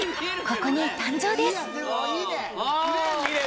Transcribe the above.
ここに誕生です！